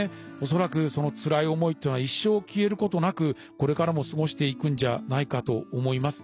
恐らくつらい思いっていうのは一生消えることなくこれからも過ごしていくんじゃないかと思います。